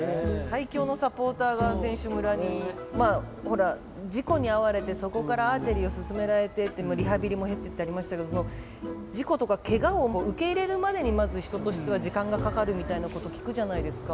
まあほら事故に遭われてそこからアーチェリーを勧められてってリハビリも経てってありましたけど事故とかケガを受け入れるまでにまず人としては時間がかかるみたいなこと聞くじゃないですか。